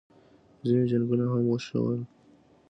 ځینې جنګونه هم وشول